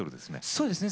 そうですね。